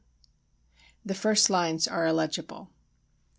[The first lines are illegible.